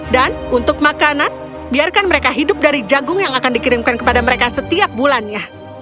dan untuk makanan biarkan mereka hidup dari jagung yang akan dikirimkan kepada mereka setiap bulannya